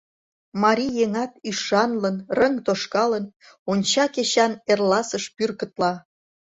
Марий еҥат, ӱшанлын, рыҥ тошкалын, Онча кечан эрласыш пӱркытла.